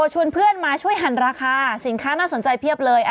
ชวนเพื่อนมาช่วยหันราคาสินค้าน่าสนใจเพียบเลย